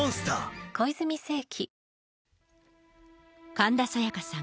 神田沙也加さん